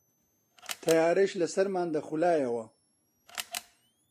تەیارەش لە سەرمان دەخولایەوە